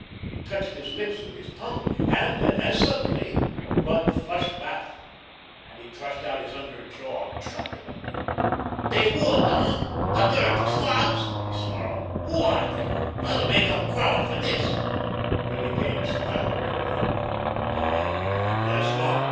He touched his lips with his tongue. And then, as suddenly, the blood flushed back, and he thrust out his under jaw truculently. "They would, eh—the dirty swabs!" he snarled. "Who are they? I'll make 'em crawl for this!" Billy Kane smiled grimly. "No, I guess not!"